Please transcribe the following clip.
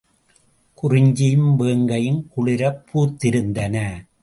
குறிஞ்சியும் வேங்கையும் குளிரப் பூத்திருந்தன.